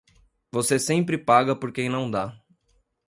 Você sempre paga por quem não dá.